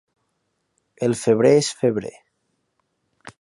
El febrer és febrer.